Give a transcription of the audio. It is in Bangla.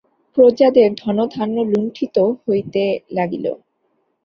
প্রজাদের ধনধান্য লুণ্ঠিত হইতে লাগিল।